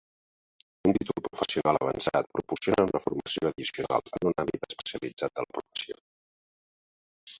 Un títol professional avançat proporciona una formació addicional en un àmbit especialitzat de la professió.